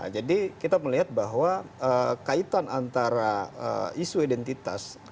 jadi kita melihat bahwa kaitan antara isu identitas